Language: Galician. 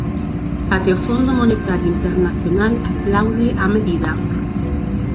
Até o Fondo Monetario Internacional aplaude a medida.